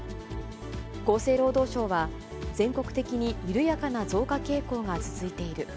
厚生労働省は、全国的に緩やかな増加傾向が続いている。